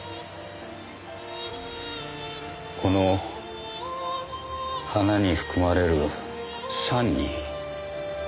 この花に含まれる酸に。